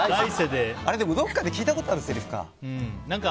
でも、どこかで聞いたことあるせりふか。